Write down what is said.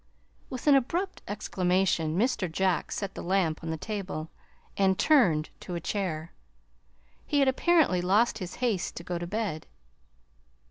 With an abrupt exclamation Mr. Jack set the lamp on the table and turned to a chair. He had apparently lost his haste to go to bed.